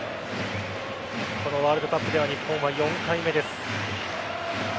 このワールドカップでは日本は４回目です。